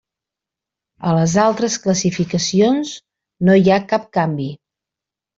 A les altres classificacions no hi ha cap canvi.